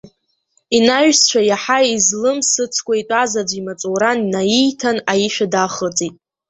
Инаҩсшәа, иаҳа излымсыцкәа итәаз аӡә имаҵура наииҭан, аишәа даахыҵит.